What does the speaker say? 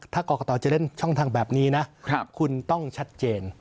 ถ้ากรกตจะเล่นช่องทางแบบนี้นะคุณต้องชัดเจน